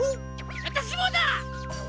わたしもだ！